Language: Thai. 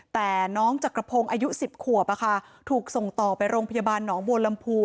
แต่น้องจักรพงศ์อายุ๑๐ขวบถูกส่งต่อไปโรงพยาบาลหนองบัวลำพู